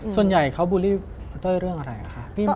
ส่วนใหญ่เขาบูลลี่คอนเต้ยเรื่องอะไรคะ